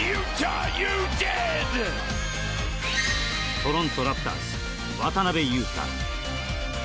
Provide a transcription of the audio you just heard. トロント・ラプターズ渡邊雄太。